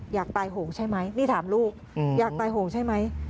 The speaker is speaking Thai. อยากตายโหงใช่ไหมนี่ถามลูกอยากตายโหงใช่ไหม